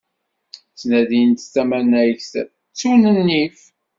Ttnadin tamanegt, ttun nnif.